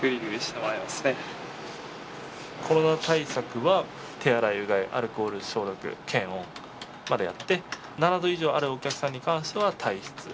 コロナ対策は手洗いうがいアルコール消毒検温までやって７度以上あるお客さんに関しては退室。